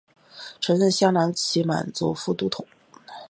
曾任镶蓝旗满洲副都统。